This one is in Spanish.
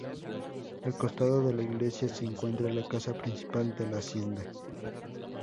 Al costado de la iglesia se encuentra la casa principal de la hacienda.